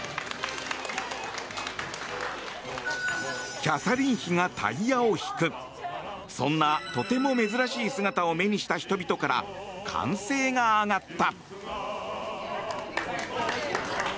キャサリン妃がタイヤを引くそんな、とても珍しい姿を目にした人々から歓声が上がった。